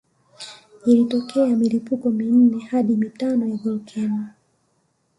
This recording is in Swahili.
Ilitokea milipuko minne hadi mitano ya volkano